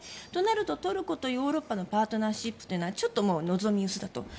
となると、トルコとヨーロッパのパートナーシップというのはちょっと望み薄だと。